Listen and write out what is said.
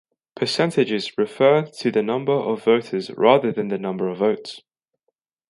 Percentages refer to the number of voters rather than the number of votes.